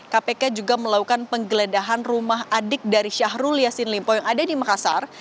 kpk juga melakukan penggeledahan rumah adik dari syahrul yassin limpo yang ada di makassar